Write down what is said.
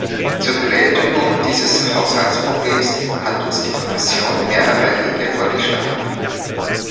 Zur Bewältigung dieses Haushaltsproblems hat uns die Kommission mehrere Wege vorgeschlagen.